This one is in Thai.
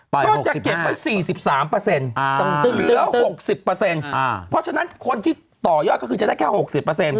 ก็จะเก็บไว้๔๓เหลือ๖๐เพราะฉะนั้นคนที่ต่อยอดก็คือจะได้แค่๖๐